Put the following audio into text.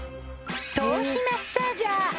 頭皮マッサージャー